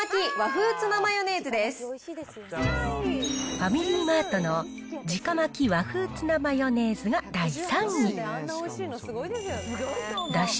ファミリーマートの直巻和風ツナマヨネーズです。